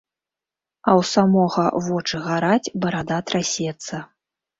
А ў самога вочы гараць, барада трасецца.